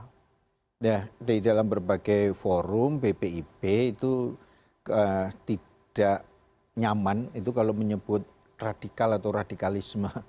ya di dalam berbagai forum bpib itu tidak nyaman kalau menyebut radikal atau radikalisme